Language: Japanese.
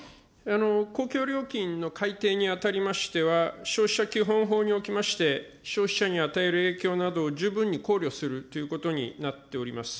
公共料金の改定にあたりましては、消費者基本法におきまして、消費者に与える影響などを十分に考慮するということになっております。